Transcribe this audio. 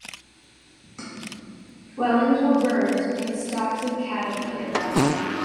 Dwellings were burned and stocks of cattle killed.